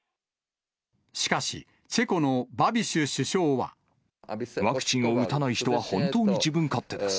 しかし、チェコのバビシュ首ワクチンを打たない人は本当に自分勝手です。